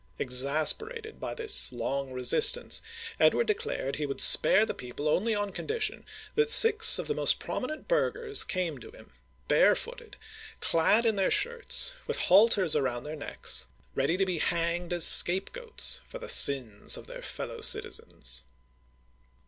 Exasperated by this long resistance, Edward declared he would spare the people only on condition that six of the most prominent burghers came to him, barefooted, clad in their shirts, with halters around their necks, ready to be hanged as scapegoats for the sins of their fellow citizens.